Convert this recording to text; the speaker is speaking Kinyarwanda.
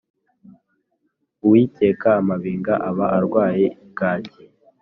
• uwikeka amabinga aba arwaye bwaki